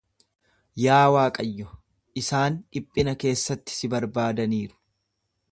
Yaa Waaqayyo, isaan dhiphina keessatti si barbaadaniiru.